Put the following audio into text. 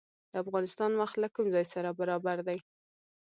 د افغانستان وخت له کوم ځای سره برابر دی؟